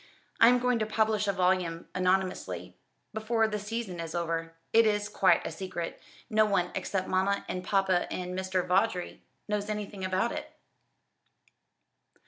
I am going to publish a volume, anonymously, before the season is over. It is quite a secret. No one except mamma and papa, and Mr. Vawdrey knows anything about it."